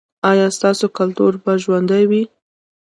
ایا ستاسو کلتور به ژوندی وي؟